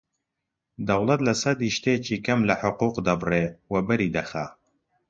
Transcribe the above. دەوڵەت لە سەدی شتێکی کەم لە حقووق دەبڕێ، وەبەری دەخا